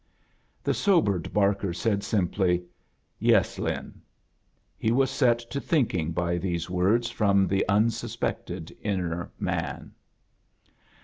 The sobered Barker said, simply, "Yes, Lin." He was set to thinking by these words from the unsuspected inner man.